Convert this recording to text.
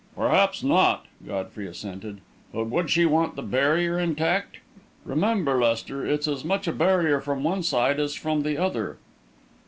"Perhaps not," Godfrey assented; "but would she want the barrier intact? Remember, Lester, it's as much a barrier from one side as from the other."